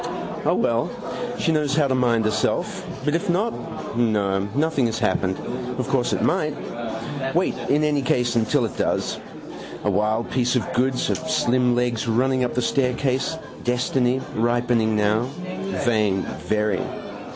O, well: she knows how to mind herself. But if not? No, nothing has happened. Of course it might. Wait in any case till it does. A wild piece of goods. Her slim legs running up the staircase. Destiny. Ripening now. Vain: very.